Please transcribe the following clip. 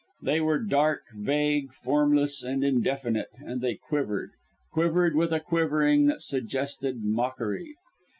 They were dark, vague, formless and indefinite, and they quivered quivered with a quivering that suggested mockery.